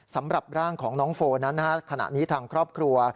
สำหรับร่างของน้องโฟนั้นขณะนี้ทางครอบครัว